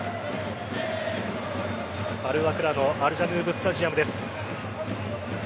アルワクラのアルジャヌーブスタジアムです。